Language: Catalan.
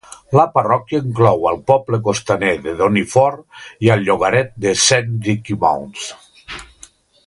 La parròquia inclou el poble costaner de Doniford i el llogaret de Saint Decumans.